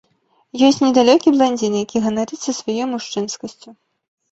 Ёсць недалёкі бландзін, які ганарыцца сваёй мужчынскасцю.